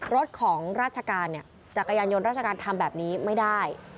รถของราชการจักรยานยนต์ราชการทำแบบนี้ไม่ได้